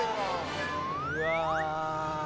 うわ。